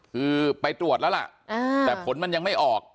คือไปตรวจแล้วล่ะแต่ผลมันยังไม่ออก